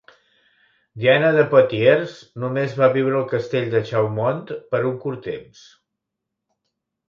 Diana de Poitiers només va viure al castell de Chaumont per un curt temps.